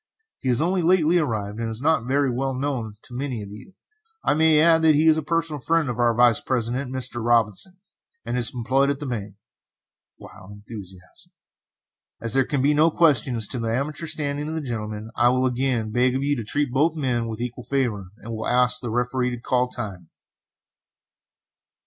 As he has only lately arrived, and is not very well known to many of you, I may add that he is a personal friend of our Vice president, Mr. Robinson, and is employed at his bank. [Wild enthusiasm.] As there can be no question as to the amateur standing of the gentlemen, I will again beg of you to treat both men with equal favor, and will ask the Referee to call time!"